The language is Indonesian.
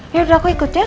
ya udah aku ikut ya